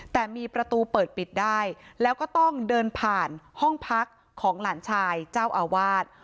แต่มีประตูเปิดปิดได้แล้วก็ต้องเดินผ่านห้องพักของหลานชายเจ้าอาวาส